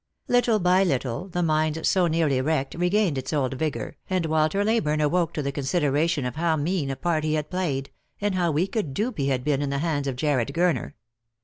Little by little the mind so nearly wrecked regained its old vigour, and Walter Leyburne awoke to the consideration of how mean a part he had played, and how weak a dupe he had been in the hands of Jarred Gurner.